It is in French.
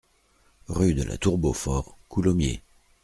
Rue de la Tour Beaufort, Coulommiers